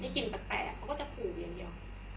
กินแปลกเขาก็จะปลูกอย่างเดียว